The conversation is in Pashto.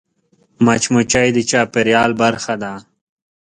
مچمچۍ د چاپېریال برخه ده